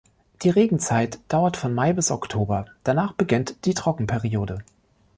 Die Regenzeit dauert von Mai bis Oktober, danach beginnt die Trockenperiode.